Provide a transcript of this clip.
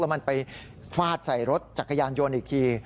มันไปฟาดใส่รถจักรยานยนต์อีกที